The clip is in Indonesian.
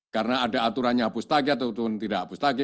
karena ada aturannya hapus tagi atau tidak hapus tagi